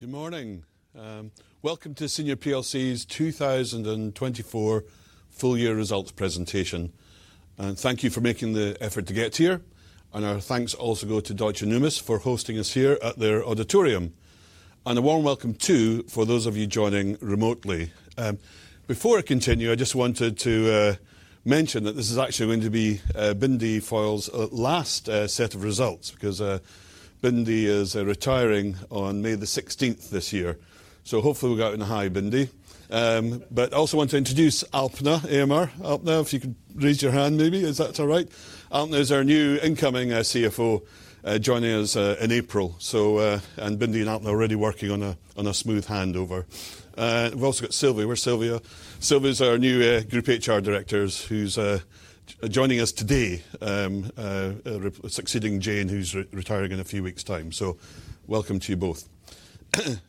Good morning. Welcome to Senior plc's 2024 full-year results presentation. Thank you for making the effort to get here. Our thanks also go to Deutsche Numis for hosting us here at their auditorium. A warm welcome too for those of you joining remotely. Before I continue, I just wanted to mention that this is actually going to be Bindi Foyle's last set of results, because Bindi is retiring on May the 16th this year. Hopefully we'll get out in a hi, Bindi. I also want to introduce Alpna Amar. Alpna, if you could raise your hand, maybe, if that's all right. Alpna is our new incoming CFO, joining us in April. Bindi and Alpna are already working on a smooth handover. We've also got Sylvia. Where's Sylvia? Sylvia's our new group HR director, who's joining us today, succeeding Jane, who's retiring in a few weeks' time. Welcome to you both.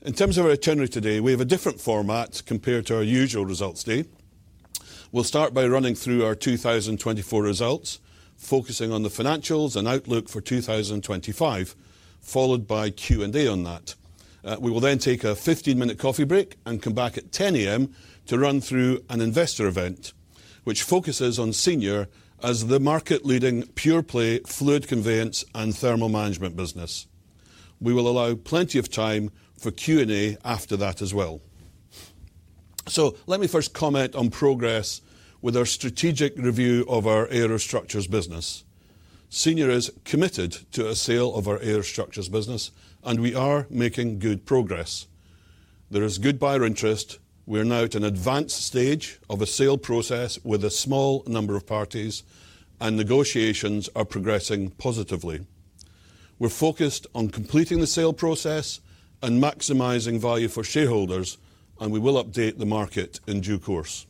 In terms of our itinerary today, we have a different format compared to our usual results day. We'll start by running through our 2024 results, focusing on the financials and outlook for 2025, followed by Q&A on that. We will then take a 15-minute coffee break and come back at 10:00 A.M. to run through an investor event, which focuses on Senior as the market-leading pure-play fluid conveyance and thermal management business. We will allow plenty of time for Q&A after that as well. Let me first comment on progress with our strategic review of our Aerostructures business. Senior is committed to a sale of our Aerostructures business, and we are making good progress. There is good buyer interest. We are now at an advanced stage of a sale process with a small number of parties, and negotiations are progressing positively. We are focused on completing the sale process and maximizing value for shareholders, and we will update the market in due course.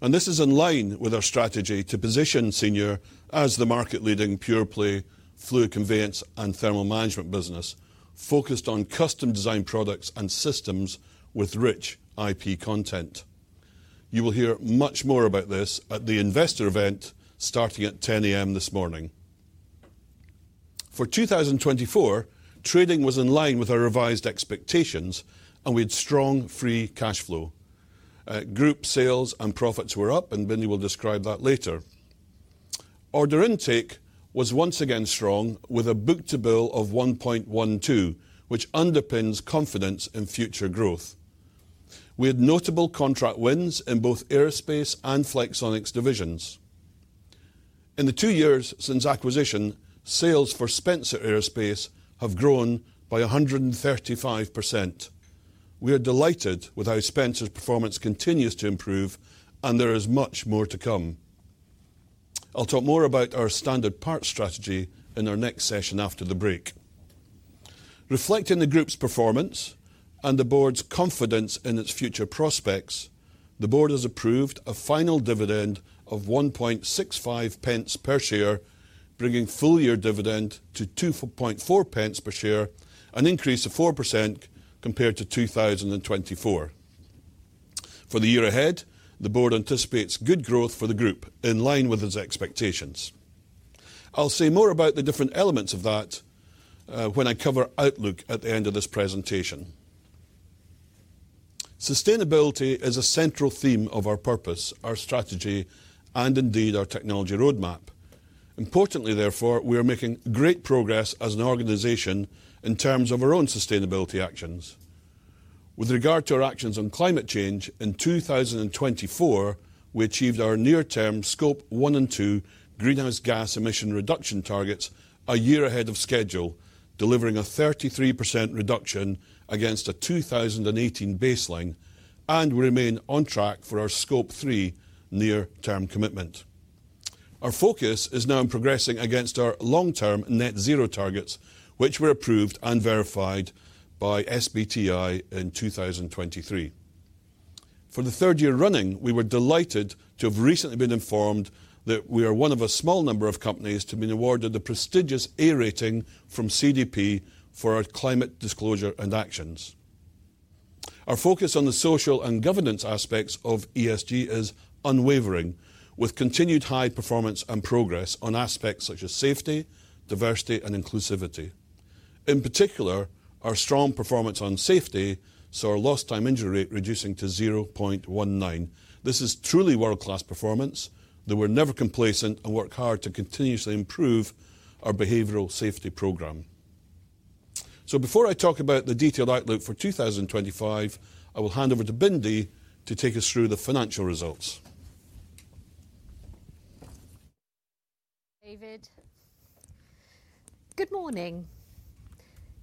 This is in line with our strategy to position Senior as the market-leading pure-play fluid conveyance and thermal management business, focused on custom-designed products and systems with rich IP content. You will hear much more about this at the investor event starting at 10:00 A.M. this morning. For 2024, trading was in line with our revised expectations, and we had strong free cash flow. Group sales and profits were up, and Bindi will describe that later. Order intake was once again strong, with a book-to-bill of 1.12, which underpins confidence in future growth. We had notable contract wins in both Aerospace and Flexonics divisions. In the two years since acquisition, sales for Spencer Aerospace have grown by 135%. We are delighted with how Spencer's performance continues to improve, and there is much more to come. I'll talk more about our standard parts strategy in our next session after the break. Reflecting the group's performance and the board's confidence in its future prospects, the board has approved a final dividend of 1.65 per share, bringing full-year dividend to 2.4 per share, an increase of 4% compared to 2024. For the year ahead, the board anticipates good growth for the group, in line with its expectations. I'll say more about the different elements of that when I cover outlook at the end of this presentation. Sustainability is a central theme of our purpose, our strategy, and indeed our technology roadmap. Importantly, therefore, we are making great progress as an organization in terms of our own sustainability actions. With regard to our actions on climate change, in 2024, we achieved our near-term Scope 1 and 2 greenhouse gas emission reduction targets a year ahead of schedule, delivering a 33% reduction against a 2018 baseline, and we remain on track for our Scope 3 near-term commitment. Our focus is now in progressing against our long-term net zero targets, which were approved and verified by SBTi in 2023. For the third year running, we were delighted to have recently been informed that we are one of a small number of companies to be awarded the prestigious A rating from CDP for our climate disclosure and actions. Our focus on the social and governance aspects of ESG is unwavering, with continued high performance and progress on aspects such as safety, diversity, and inclusivity. In particular, our strong performance on safety saw our lost-time injury rate reducing to 0.19. This is truly world-class performance. We're never complacent and work hard to continuously improve our behavioral safety program. Before I talk about the detailed outlook for 2025, I will hand over to Bindi to take us through the financial results. David, good morning.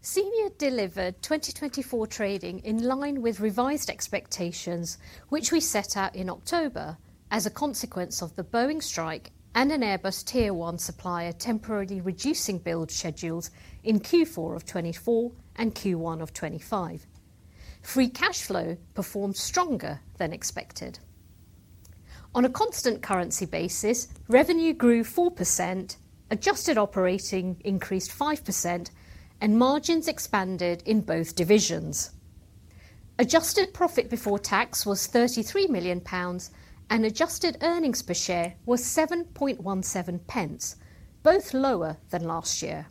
Senior delivered 2024 trading in line with revised expectations, which we set out in October as a consequence of the Boeing strike and an Airbus Tier 1 supplier temporarily reducing build schedules in Q4 of 2024 and Q1 of 2025. Free cash flow performed stronger than expected. On a constant currency basis, revenue grew 4%, adjusted operating increased 5%, and margins expanded in both divisions. Adjusted profit before tax was 33 million pounds, and adjusted earnings per share was 7.17, both lower than last year.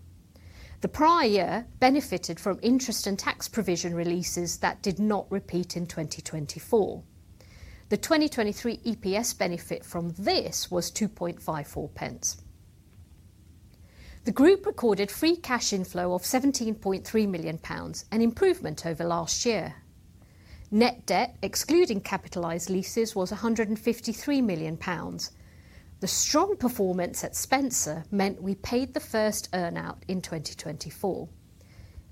The prior year benefited from interest and tax provision releases that did not repeat in 2024. The 2023 EPS benefit from this was 2.54 pence. The group recorded free cash inflow of 17.3 million pounds, an improvement over last year. Net debt, excluding capitalized leases, was 153 million pounds. The strong performance at Spencer meant we paid the first earnout in 2024.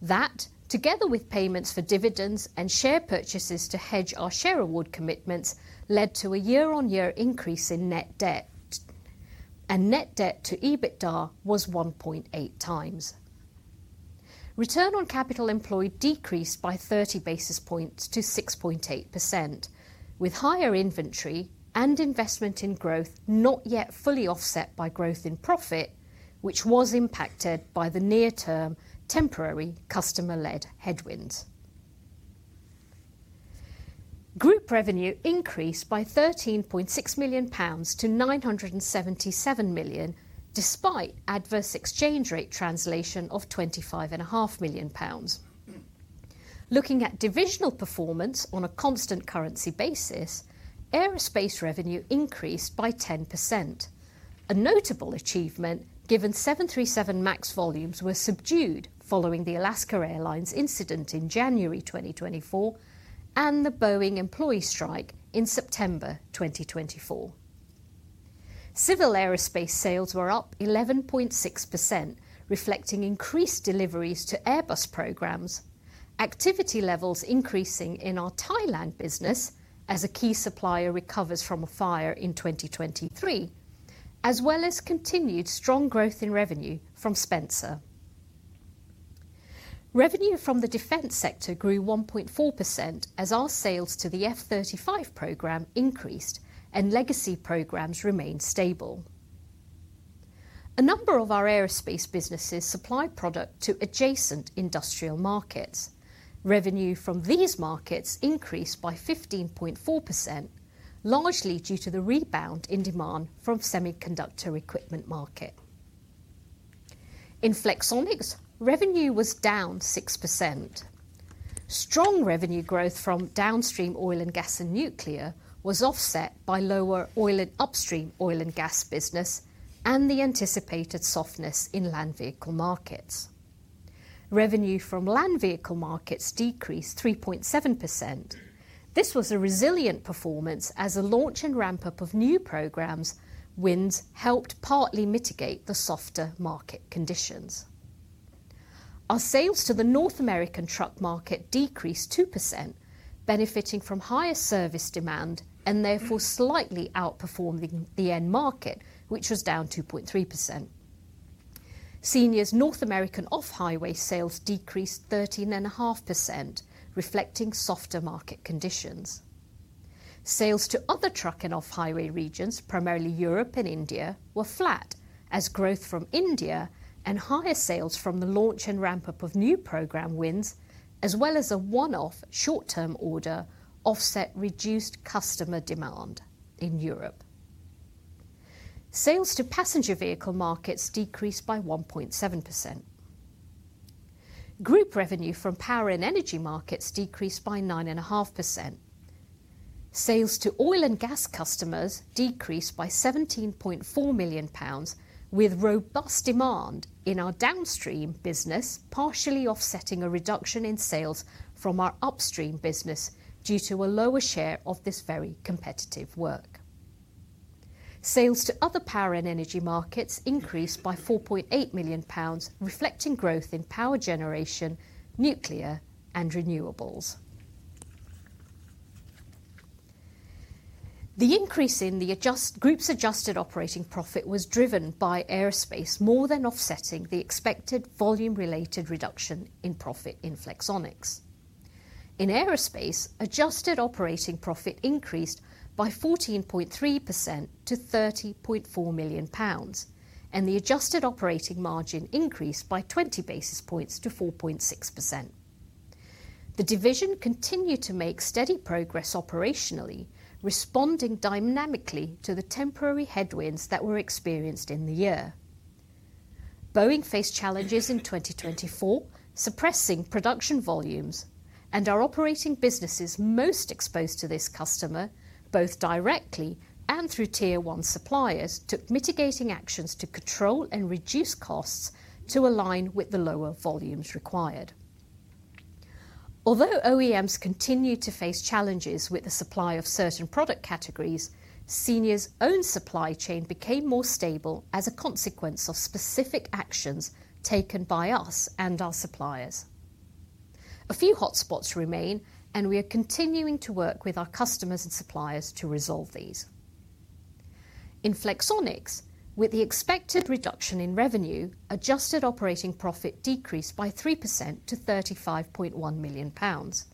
That, together with payments for dividends and share purchases to hedge our share award commitments, led to a year-on-year increase in net debt. Net debt to EBITDA was 1.8 times. Return on capital employed decreased by 30 basis points to 6.8%, with higher inventory and investment in growth not yet fully offset by growth in profit, which was impacted by the near-term temporary customer-led headwinds. Group revenue increased by GBP 13.6 million to GBP 977 million, despite adverse exchange rate translation of GBP 25.5 million. Looking at divisional performance on a constant currency basis, Aerospace revenue increased by 10%, a notable achievement given 737 MAX volumes were subdued following the Alaska Airlines incident in January 2024 and the Boeing employee strike in September 2024. Civil Aerospace sales were up 11.6%, reflecting increased deliveries to Airbus programs, activity levels increasing in our Thailand business as a key supplier recovers from a fire in 2023, as well as continued strong growth in revenue from Spencer. Revenue from the defense sector grew 1.4% as our sales to the F-35 program increased and legacy programs remained stable. A number of our Aerospace businesses supplied product to adjacent industrial markets. Revenue from these markets increased by 15.4%, largely due to the rebound in demand from semiconductor equipment market. In Flexonics, revenue was down 6%. Strong revenue growth from downstream oil and gas and nuclear was offset by lower oil and upstream oil and gas business and the anticipated softness in land vehicle markets. Revenue from land vehicle markets decreased 3.7%. This was a resilient performance as a launch and ramp-up of new program wins helped partly mitigate the softer market conditions. Our sales to the North American truck market decreased 2%, benefiting from higher service demand and therefore slightly outperformed the end market, which was down 2.3%. Senior's North American off-highway sales decreased 13.5%, reflecting softer market conditions. Sales to other truck and off-highway regions, primarily Europe and India, were flat as growth from India and higher sales from the launch and ramp-up of new program wins, as well as a one-off short-term order offset reduced customer demand in Europe. Sales to passenger vehicle markets decreased by 1.7%. Group revenue from power and energy markets decreased by 9.5%. Sales to oil and gas customers decreased by 17.4 million pounds, with robust demand in our downstream business partially offsetting a reduction in sales from our upstream business due to a lower share of this very competitive work. Sales to other power and energy markets increased by 4.8 million pounds, reflecting growth in power generation, nuclear, and renewables. The increase in the group's adjusted operating profit was driven by Aerospace more than offsetting the expected volume-related reduction in profit in Flexonics. In Aerospace, adjusted operating profit increased by 14.3% to 30.4 million pounds, and the adjusted operating margin increased by 20 basis points to 4.6%. The division continued to make steady progress operationally, responding dynamically to the temporary headwinds that were experienced in the year. Boeing faced challenges in 2024, suppressing production volumes, and our operating businesses most exposed to this customer, both directly and through tier one suppliers, took mitigating actions to control and reduce costs to align with the lower volumes required. Although OEMs continue to face challenges with the supply of certain product categories, Senior's own supply chain became more stable as a consequence of specific actions taken by us and our suppliers. A few hotspots remain, and we are continuing to work with our customers and suppliers to resolve these. In Flexonics, with the expected reduction in revenue, adjusted operating profit decreased by 3% to 35.1 million pounds.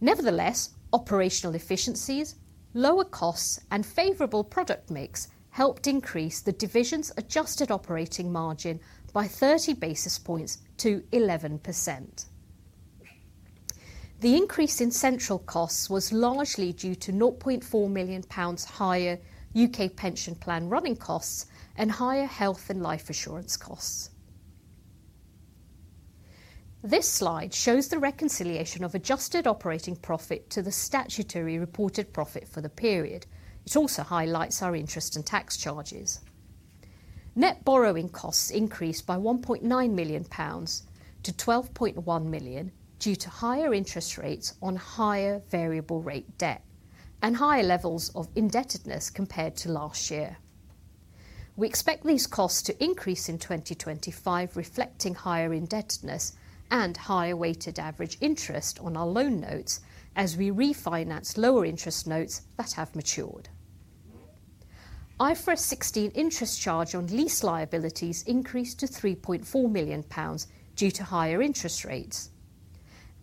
Nevertheless, operational efficiencies, lower costs, and favorable product mix helped increase the division's adjusted operating margin by 30 basis points to 11%. The increase in central costs was largely due to 0.4 million pounds higher U.K. pension plan running costs and higher health and life assurance costs. This slide shows the reconciliation of adjusted operating profit to the statutory reported profit for the period. It also highlights our interest and tax charges. Net borrowing costs increased by 1.9 million-12.1 million pounds due to higher interest rates on higher variable-rate debt and higher levels of indebtedness compared to last year. We expect these costs to increase in 2025, reflecting higher indebtedness and higher weighted average interest on our loan notes as we refinance lower interest notes that have matured. IFRS 16 interest charge on lease liabilities increased to 3.4 million pounds due to higher interest rates.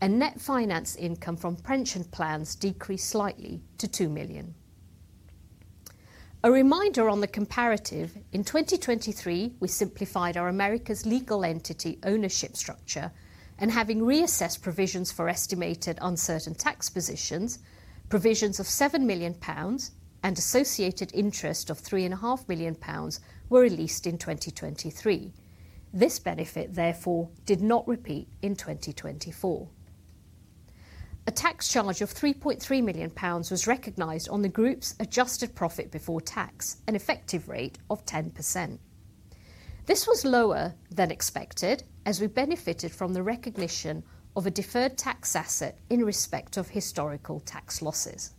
Net finance income from pension plans decreased slightly to 2 million. A reminder on the comparative, in 2023, we simplified our America's legal entity ownership structure and, having reassessed provisions for estimated uncertain tax positions, provisions of 7 million pounds and associated interest of 3.5 million pounds were released in 2023. This benefit, therefore, did not repeat in 2024. A tax charge of 3.3 million pounds was recognized on the group's adjusted profit before tax, an effective rate of 10%. This was lower than expected as we benefited from the recognition of a deferred tax asset in respect of historical tax losses.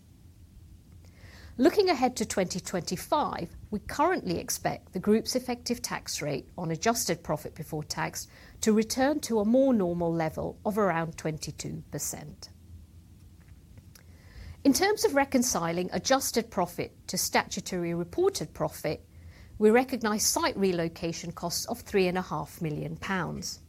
Looking ahead to 2025, we currently expect the group's effective tax rate on adjusted profit before tax to return to a more normal level of around 22%. In terms of reconciling adjusted profit to statutory reported profit, we recognize site relocation costs of 3.5 million pounds.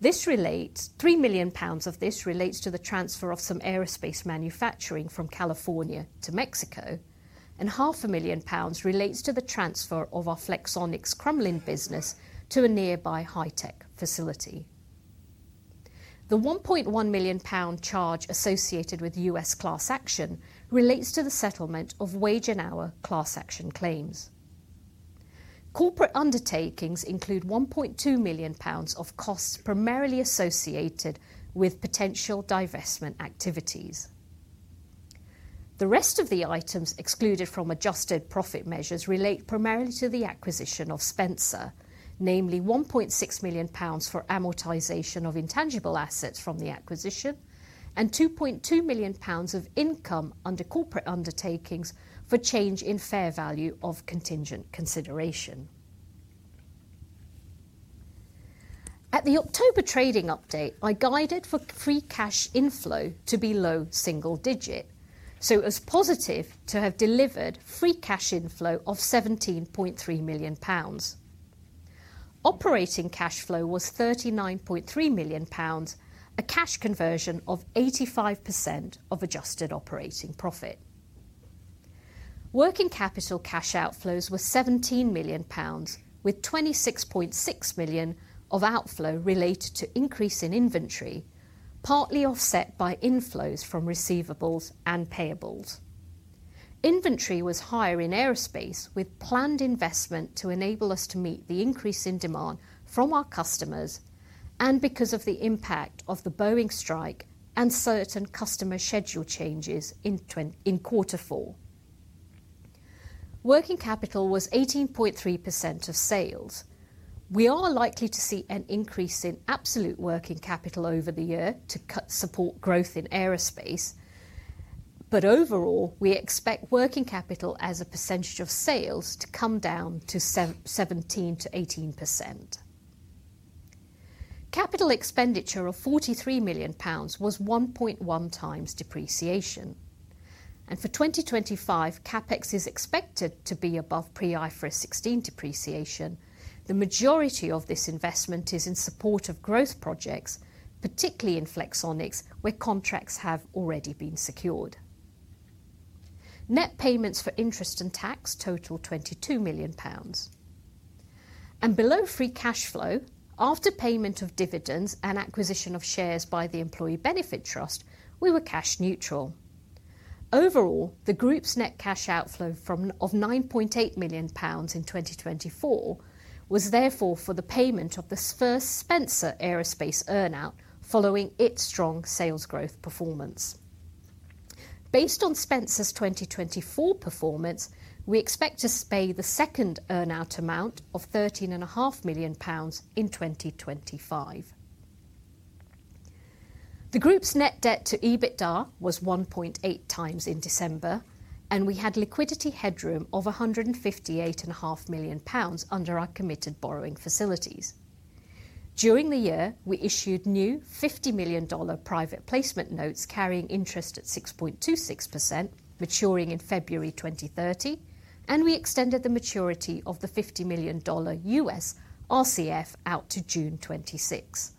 This relates to 3 million pounds of this relates to the transfer of some Aerospace manufacturing from California to Mexico, and 500,000 pounds relates to the transfer of our Flexonics Crumbling business to a nearby high-tech facility. The 1.1 million pound charge associated with U.S. class action relates to the settlement of wage and hour class action claims. Corporate undertakings include 1.2 million pounds of costs primarily associated with potential divestment activities. The rest of the items excluded from adjusted profit measures relate primarily to the acquisition of Spencer, namely 1.6 million pounds for amortization of intangible assets from the acquisition and 2.2 million pounds of income under corporate undertakings for change in fair value of contingent consideration. At the October trading update, I guided for free cash inflow to be low single digit, so it was positive to have delivered free cash inflow of GBP 17.3 million. Operating cash flow was GBP 39.3 million, a cash conversion of 85% of adjusted operating profit. Working capital cash outflows were 17 million pounds, with 26.6 million of outflow related to increase in inventory, partly offset by inflows from receivables and payables. Inventory was higher in Aerospace with planned investment to enable us to meet the increase in demand from our customers and because of the impact of the Boeing strike and certain customer schedule changes in Q4. Working capital was 18.3% of sales. We are likely to see an increase in absolute working capital over the year to support growth in Aerospace, but overall, we expect working capital as a percentage of sales to come down to 17%-18%. Capital expenditure of 43 million pounds was 1.1 times depreciation. For 2025, CapEx is expected to be above pre-IFRS 16 depreciation. The majority of this investment is in support of growth projects, particularly in Flexonics where contracts have already been secured. Net payments for interest and tax total 22 million pounds. Below free cash flow, after payment of dividends and acquisition of shares by the Employee Benefit Trust, we were cash neutral. Overall, the group's net cash outflow of 9.8 million pounds in 2024 was therefore for the payment of the first Spencer Aerospace earnout following its strong sales growth performance. Based on Spencer's 2024 performance, we expect to pay the second earnout amount of 13.5 million pounds in 2025. The group's net debt to EBITDA was 1.8 times in December, and we had liquidity headroom of 158.5 million pounds under our committed borrowing facilities. During the year, we issued new $50 million private placement notes carrying interest at 6.26%, maturing in February 2030, and we extended the maturity of the $50 million US RCF out to June 2026.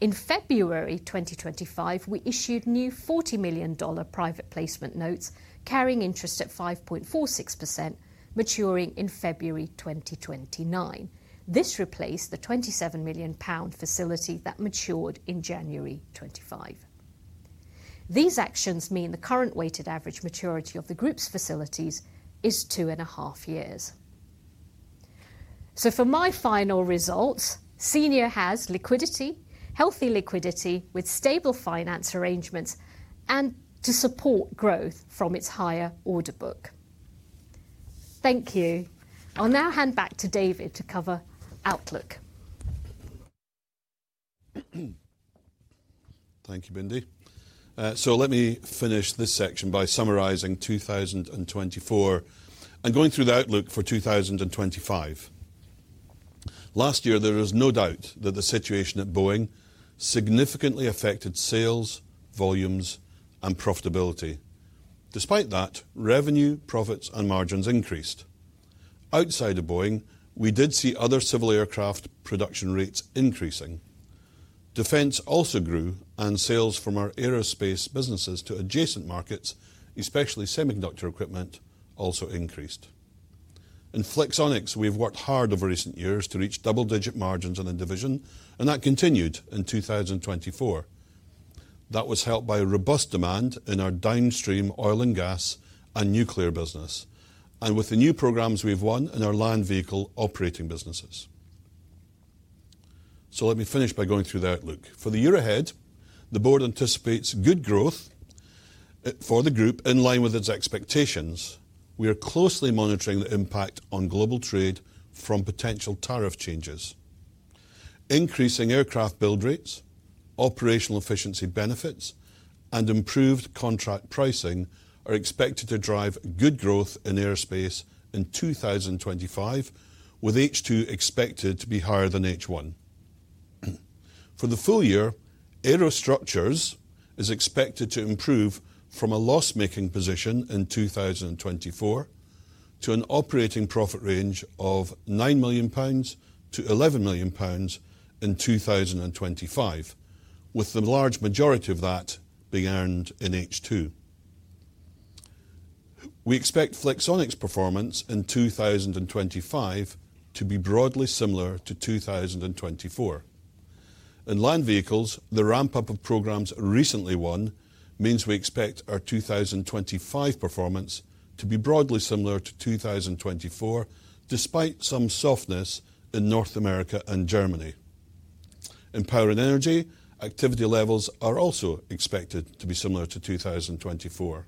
In February 2025, we issued new $40 million private placement notes carrying interest at 5.46%, maturing in February 2029. This replaced the 27 million pound facility that matured in January 2025. These actions mean the current weighted average maturity of the group's facilities is two and a half years. For my final results, Senior has healthy liquidity with stable finance arrangements, and to support growth from its higher order book. Thank you. I'll now hand back to David to cover Outlook. Thank you, Bindi. Let me finish this section by summarizing 2024 and going through the Outlook for 2025. Last year, there is no doubt that the situation at Boeing significantly affected sales, volumes, and profitability. Despite that, revenue, profits, and margins increased. Outside of Boeing, we did see other civil aircraft production rates increasing. Defense also grew, and sales from our Aerospace businesses to adjacent markets, especially semiconductor equipment, also increased. In Flexonics, we've worked hard over recent years to reach double-digit margins in the division, and that continued in 2024. That was helped by robust demand in our downstream oil and gas and nuclear business, and with the new programs we've won in our land vehicle operating businesses. Let me finish by going through the outlook. For the year ahead, the board anticipates good growth for the group in line with its expectations. We are closely monitoring the impact on global trade from potential tariff changes. Increasing aircraft build rates, operational efficiency benefits, and improved contract pricing are expected to drive good growth in Aerospace in 2025, with H2 expected to be higher than H1. For the full year, Aerostructures is expected to improve from a loss-making position in 2024 to an operating profit range of 9 million-11 million pounds in 2025, with the large majority of that being earned in H2. We expect Flexonics performance in 2025 to be broadly similar to 2024. In land vehicles, the ramp-up of programs recently won means we expect our 2025 performance to be broadly similar to 2024, despite some softness in North America and Germany. In power and energy, activity levels are also expected to be similar to 2024.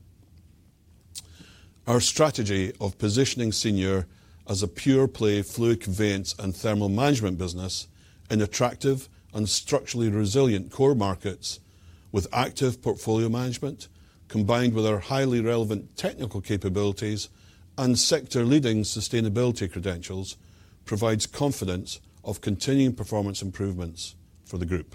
Our strategy of positioning Senior as a pure-play fluid conveyance and thermal management business in attractive and structurally resilient core markets, with active portfolio management combined with our highly relevant technical capabilities and sector-leading sustainability credentials, provides confidence of continuing performance improvements for the group.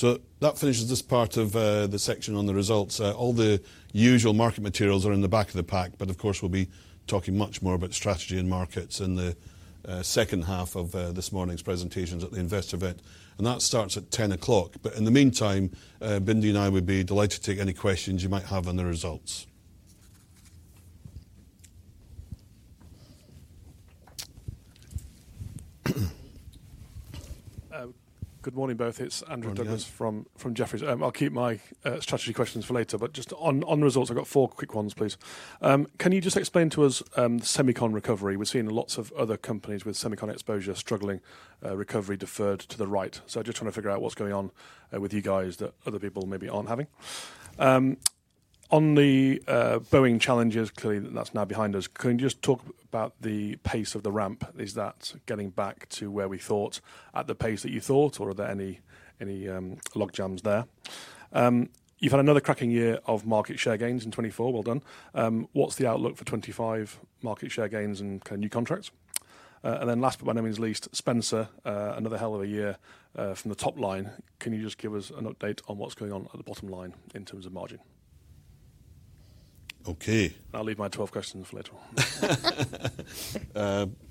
That finishes this part of the section on the results. All the usual market materials are in the back of the pack, of course, we will be talking much more about strategy and markets in the second half of this morning's presentations at the investor event. That starts at 10:00 A.M. In the meantime, Bindi and I would be delighted to take any questions you might have on the results. Good morning, both. It is Andrew Douglas from Jefferies. I will keep my strategy questions for later, but just on the results, I have four quick ones, please. Can you just explain to us semicon recovery? We're seeing lots of other companies with semicon exposure struggling, recovery deferred to the right. I just want to figure out what's going on with you guys that other people maybe aren't having. On the Boeing challenges, clearly that's now behind us. Can you just talk about the pace of the ramp? Is that getting back to where we thought at the pace that you thought, or are there any lock jams there? You've had another cracking year of market share gains in 2024. Well done. What's the outlook for 2025 market share gains and kind of new contracts? Last but by no means least, Spencer, another hell of a year from the top line. Can you just give us an update on what's going on at the bottom line in terms of margin? Okay. I'll leave my 12 questions for later.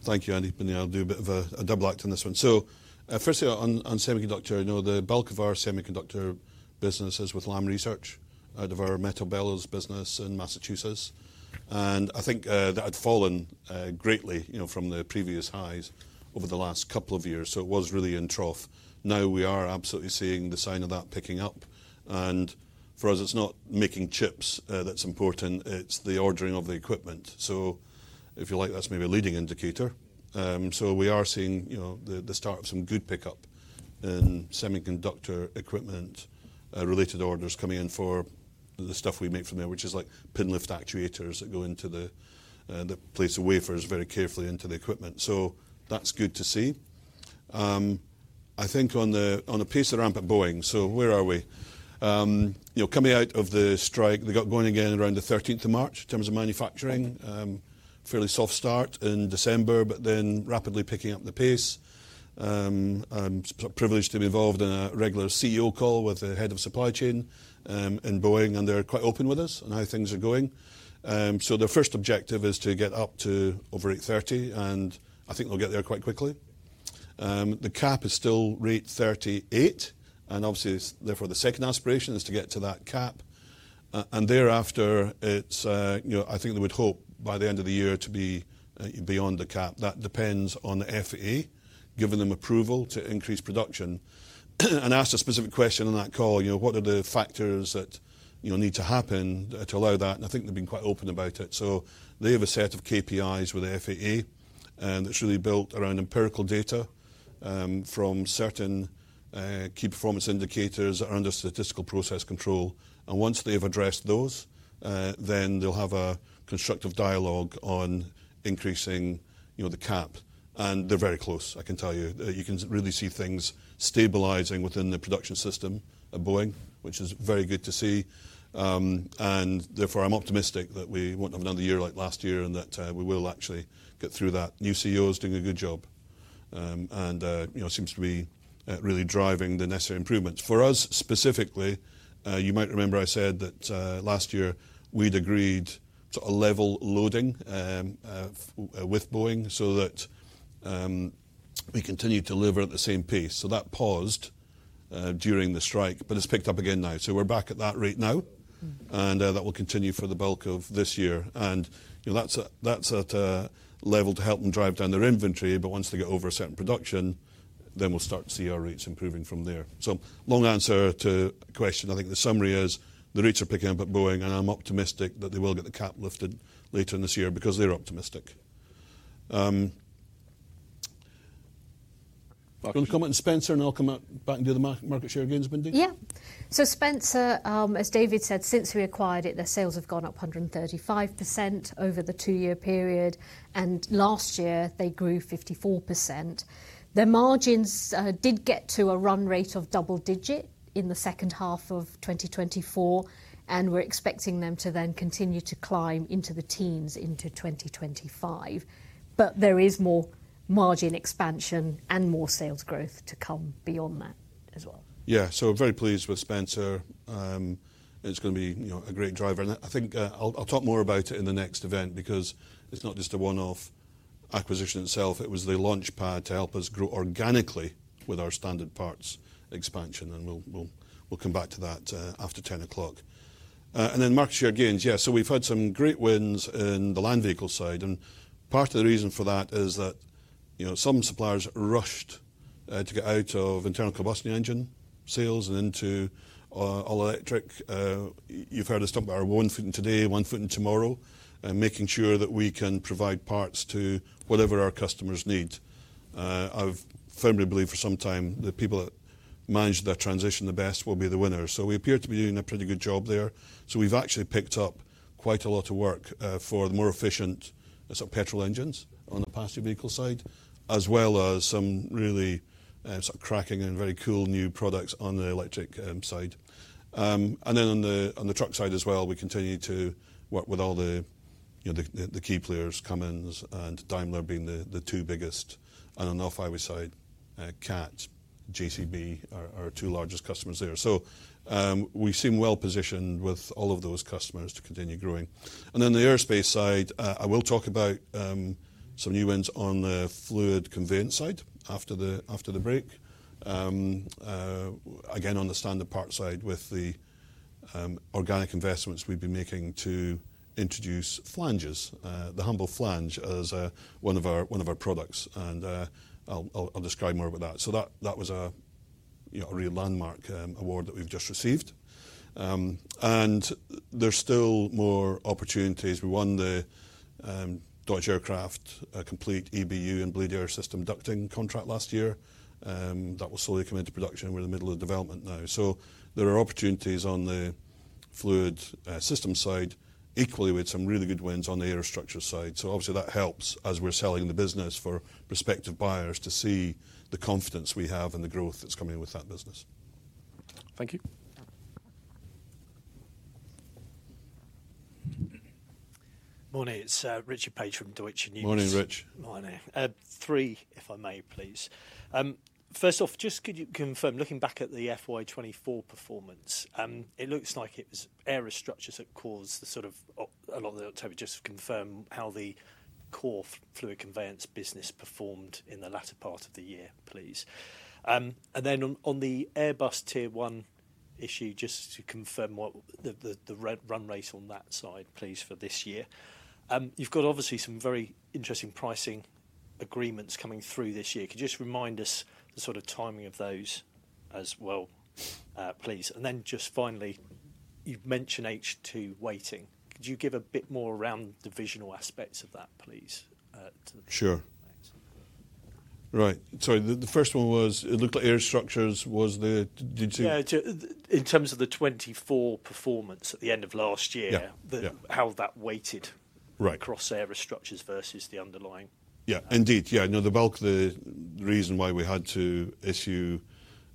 Thank you, Andy. I'll do a bit of a double act on this one. Firstly, on semiconductor, the bulk of our semiconductor business is with Lam Research out of our Metabellas business in Massachusetts. I think that had fallen greatly from the previous highs over the last couple of years. It was really in trough. Now we are absolutely seeing the sign of that picking up. For us, it's not making chips that's important. It's the ordering of the equipment. If you like, that's maybe a leading indicator. We are seeing the start of some good pickup in semiconductor equipment-related orders coming in for the stuff we make from there, which is like pin lift actuators that go into the place of wafers very carefully into the equipment. That's good to see. I think on the pace of ramp at Boeing, where are we? Coming out of the strike, they got going again around the 13th of March in terms of manufacturing, fairly soft start in December, but then rapidly picking up the pace. I'm privileged to be involved in a regular CEO call with the head of supply chain in Boeing, and they're quite open with us on how things are going. Their first objective is to get up to over rate 30, and I think they'll get there quite quickly. The cap is still rate 38, and obviously, therefore, the second aspiration is to get to that cap. Thereafter, I think they would hope by the end of the year to be beyond the cap. That depends on the FEA giving them approval to increase production. I asked a specific question on that call, what are the factors that need to happen to allow that? I think they've been quite open about it. They have a set of KPIs with the FEA that's really built around empirical data from certain key performance indicators that are under statistical process control. Once they've addressed those, they'll have a constructive dialogue on increasing the cap. They're very close, I can tell you. You can really see things stabilizing within the production system at Boeing, which is very good to see. Therefore, I'm optimistic that we won't have another year like last year and that we will actually get through that. New CEO is doing a good job. It seems to be really driving the necessary improvements. For us specifically, you might remember I said that last year we'd agreed to a level loading with Boeing so that we continue to deliver at the same pace. That paused during the strike, but it's picked up again now. We're back at that rate now, and that will continue for the bulk of this year. That's at a level to help them drive down their inventory, but once they get over a certain production, then we'll start to see our rates improving from there. Long answer to the question, I think the summary is the rates are picking up at Boeing, and I'm optimistic that they will get the cap lifted later in this year because they're optimistic. Back on the comment, Spencer, and I'll come back and do the market share gains, Bindi. Yeah. Spencer, as David said, since we acquired it, their sales have gone up 135% over the two-year period, and last year they grew 54%. Their margins did get to a run rate of double-digit in the second half of 2024, and we're expecting them to then continue to climb into the teens into 2025. There is more margin expansion and more sales growth to come beyond that as well. Yeah, we're very pleased with Spencer. It's going to be a great driver. I think I'll talk more about it in the next event because it's not just a one-off acquisition itself. It was the launch pad to help us grow organically with our standard parts expansion, and we'll come back to that after 10:00 A.M. Market share gains, yeah. We've had some great wins in the land vehicle side. Part of the reason for that is that some suppliers rushed to get out of internal combustion engine sales and into all electric. You have heard us talk about our one foot in today, one foot in tomorrow, making sure that we can provide parts to whatever our customers need. I firmly believe for some time the people that manage their transition the best will be the winners. We appear to be doing a pretty good job there. We have actually picked up quite a lot of work for the more efficient petrol engines on the passenger vehicle side, as well as some really cracking and very cool new products on the electric side. On the truck side as well, we continue to work with all the key players, Cummins and Daimler being the two biggest, and on the off-highway side, CAT and JCB are our two largest customers there. We seem well positioned with all of those customers to continue growing. On the Aerospace side, I will talk about some new wins on the fluid conveyance side after the break. On the standard part side with the organic investments we have been making to introduce flanges, the Humboldt flange as one of our products. I will describe more about that. That was a real landmark award that we have just received. There are still more opportunities. We won the Dodge Aircraft complete EBU and Blade Air System ducting contract last year. That will slowly come into production. We are in the middle of development now. There are opportunities on the fluid system side, equally with some really good wins on the Aerostructures side. Obviously, that helps as we are selling the business for prospective buyers to see the confidence we have and the growth that is coming with that business. Thank you. Morning. It is Rich Page from Deutsche Numis. Morning, Rich. Morning. Three, if I may, please. First off, just could you confirm, looking back at the FY2024 performance, it looks like it was Aerostructures that caused the sort of a lot of the October, just to confirm how the core fluid conveyance business performed in the latter part of the year, please. On the Airbus Tier 1 issue, just to confirm the run rate on that side, please, for this year. You have obviously some very interesting pricing agreements coming through this year. Could you just remind us the sort of timing of those as well, please? Just finally, you've mentioned H2 weighting. Could you give a bit more around the divisional aspects of that, please? Sure. Right. Sorry. The first one was it looked like Aerostructures was the—did you? Yeah. In terms of the 2024 performance at the end of last year, how that weighted across Aerostructures versus the underlying. Yeah. Indeed. Yeah. The bulk of the reason why we had to issue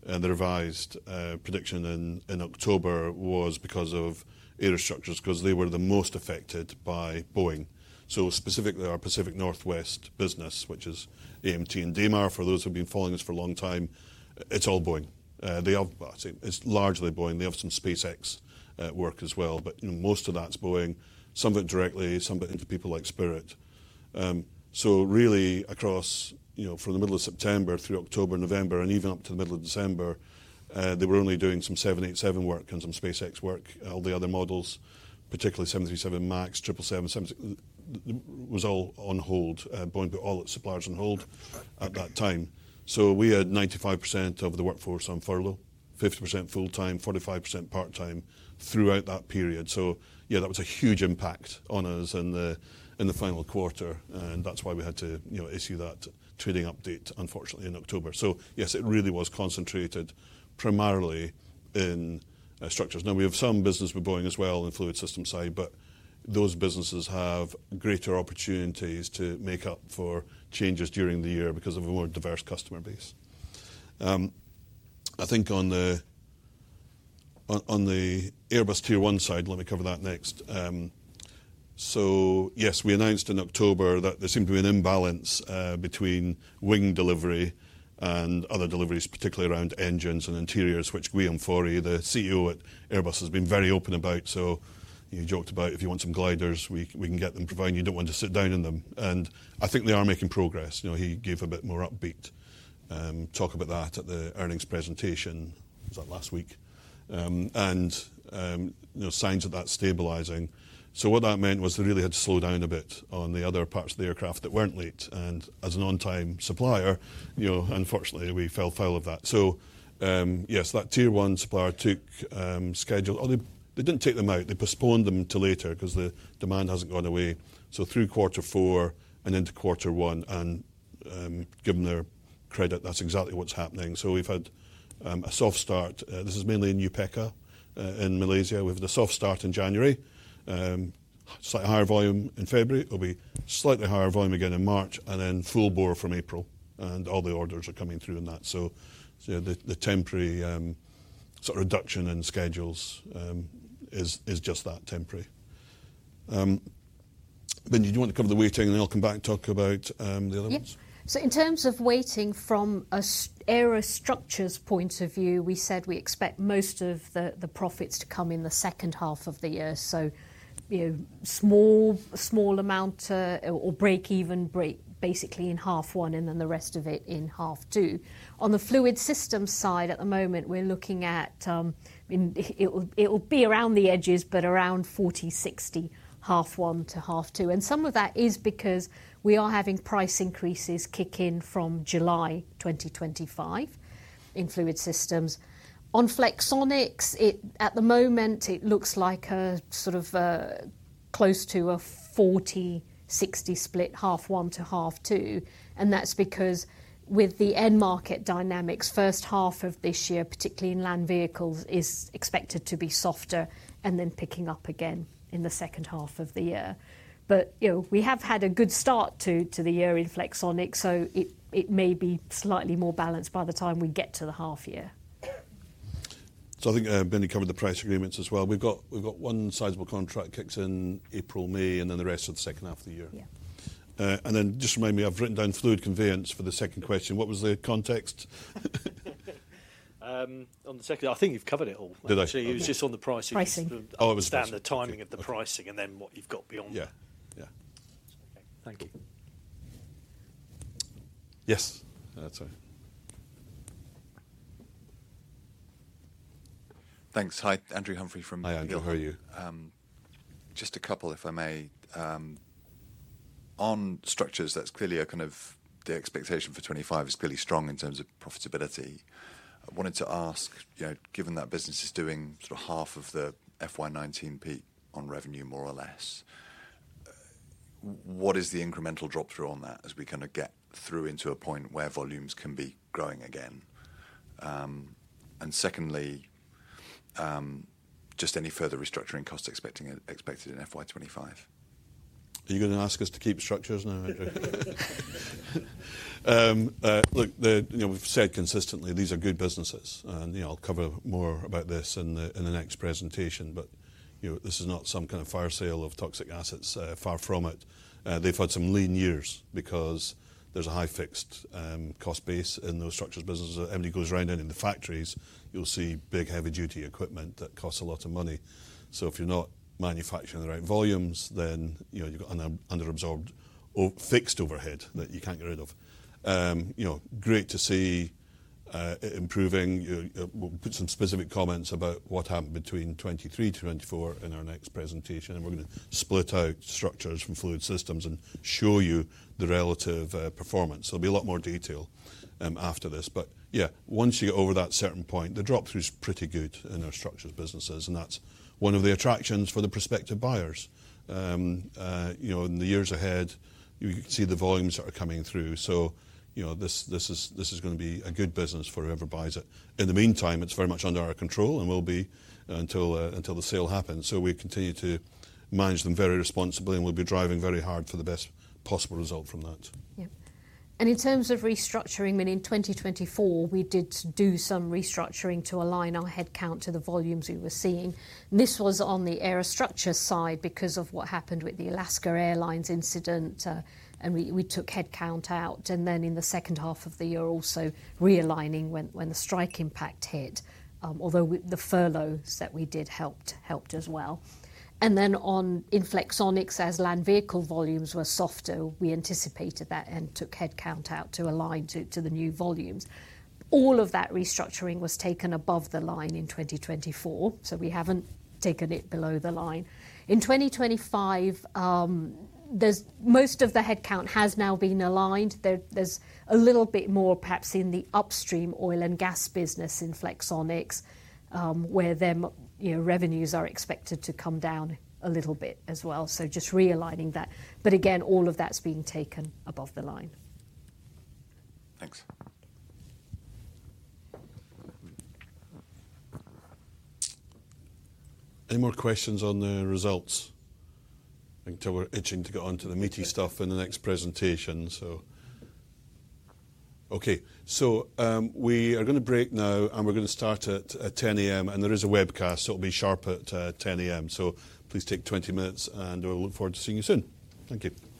the revised prediction in October was because of Aerostructures, because they were the most affected by Boeing. Specifically, our Pacific Northwest business, which is AMT and DMAR, for those who have been following us for a long time, it's all Boeing. It's largely Boeing. They have some SpaceX work as well, but most of that's Boeing, some of it directly, some of it into people like Spirit. Really across from the middle of September through October, November, and even up to the middle of December, they were only doing some 787 work and some SpaceX work. All the other models, particularly 737 MAX, 777X, was all on hold. Boeing put all its suppliers on hold at that time. We had 95% of the workforce on furlough, 50% full-time, 45% part-time throughout that period. Yeah, that was a huge impact on us in the final quarter. That's why we had to issue that trading update, unfortunately, in October. Yes, it really was concentrated primarily in structures. Now, we have some business with Boeing as well on the fluid system side, but those businesses have greater opportunities to make up for changes during the year because of a more diverse customer base. I think on the Airbus Tier 1 side, let me cover that next. Yes, we announced in October that there seemed to be an imbalance between wing delivery and other deliveries, particularly around engines and interiors, which Guillaume Faury, the CEO at Airbus, has been very open about. He joked about, "If you want some gliders, we can get them provided. You don't want to sit down in them." I think they are making progress. He gave a bit more upbeat talk about that at the earnings presentation. Was that last week? Signs of that stabilizing. What that meant was they really had to slow down a bit on the other parts of the aircraft that were not late. As an on-time supplier, unfortunately, we fell foul of that. Yes, that Tier 1 supplier took schedule. They did not take them out. They postponed them to later because the demand has not gone away. Through quarter four and into quarter one, and given their credit, that is exactly what is happening. We have had a soft start. This is mainly in Yupeka in Malaysia. We have had a soft start in January, slightly higher volume in February. It will be slightly higher volume again in March, and then full bore from April. All the orders are coming through in that. The temporary reduction in schedules is just that, temporary. Bindi, do you want to cover the weighting? I'll come back and talk about the other ones. Yeah. In terms of weighting from an Aerostructures point of view, we said we expect most of the profits to come in the second half of the year. Small amount or break even, basically in half one, and then the rest of it in half two. On the fluid system side, at the moment, we're looking at it will be around the edges, but around 40-60, half one to half two. Some of that is because we are having price increases kick in from July 2025 in fluid systems. On Flexonics, at the moment, it looks like a sort of close to a 40-60 split, half one to half two. That is because with the end market dynamics, first half of this year, particularly in land vehicles, is expected to be softer and then picking up again in the second half of the year. We have had a good start to the year in Flexonics, so it may be slightly more balanced by the time we get to the half year. I think Bindi covered the price agreements as well. We have got one sizable contract kicks in April-May, and then the rest of the second half of the year. Just remind me, I have written down fluid conveyance for the second question. What was the context? On the second, I think you have covered it all. Did I? Actually, it was just on the pricing. Pricing. Oh, it was just the timing of the pricing and then what you have got beyond. Yeah. Yeah. Okay. Thank you. Yes. That's all right. Thanks. Hi, Andrew Humphrey from. Hi, Andrew. How are you? Just a couple, if I may. On structures, that's clearly a kind of the expectation for 2025 is clearly strong in terms of profitability. I wanted to ask, given that business is doing sort of half of the 2019 peak on revenue, more or less, what is the incremental drop through on that as we kind of get through into a point where volumes can be growing again? Secondly, just any further restructuring costs expected in 2025? Are you going to ask us to keep structures now, Andrew? Look, we've said consistently these are good businesses. I'll cover more about this in the next presentation, but this is not some kind of fire sale of toxic assets. Far from it. They've had some lean years because there's a high fixed cost base in those structures businesses. Everybody goes right down in the factories. You'll see big heavy-duty equipment that costs a lot of money. If you're not manufacturing the right volumes, then you've got an underabsorbed fixed overhead that you can't get rid of. Great to see it improving. We'll put some specific comments about what happened between 2023 to 2024 in our next presentation. We're going to split out structures from fluid systems and show you the relative performance. There'll be a lot more detail after this. Once you get over that certain point, the drop through is pretty good in our structures businesses. That's one of the attractions for the prospective buyers. In the years ahead, you can see the volumes that are coming through. This is going to be a good business for whoever buys it. In the meantime, it is very much under our control, and will be until the sale happens. We continue to manage them very responsibly, and we will be driving very hard for the best possible result from that. Yeah. In terms of restructuring, I mean, in 2024, we did do some restructuring to align our headcount to the volumes we were seeing. This was on the Aerostructures side because of what happened with the Alaska Airlines incident. We took headcount out. In the second half of the year, also realigning when the strike impact hit, although the furloughs that we did helped as well. On Inflexonics, as land vehicle volumes were softer, we anticipated that and took headcount out to align to the new volumes. All of that restructuring was taken above the line in 2024, so we have not taken it below the line. In 2025, most of the headcount has now been aligned. There is a little bit more perhaps in the upstream oil and gas business in Flexonics, where revenues are expected to come down a little bit as well. Just realigning that. Again, all of that is being taken above the line. Thanks. Any more questions on the results? I think we are itching to get on to the meaty stuff in the next presentation. Okay. We are going to break now, and we are going to start at 10:00 A.M. There is a webcast, so it will be sharp at 10:00 A.M. Please take 20 minutes, and we will look forward to seeing you soon. Thank you. Thank you.